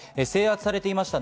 制圧されていました